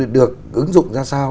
được ứng dụng ra sao